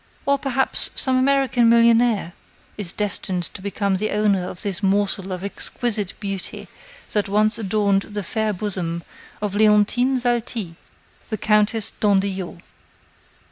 Or, perhaps, some American millionaire is destined to become the owner of this morsel of exquisite beauty that once adorned the fair bosom of Leontine Zalti, the Countess d'Andillot."